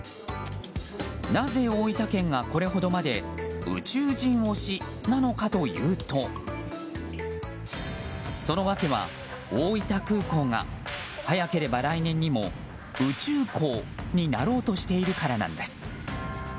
なぜ、大分県がこれほどまで宇宙人推しなのかというとその訳は、大分空港が早ければ来年にも宇宙港になろうとしているからなんです。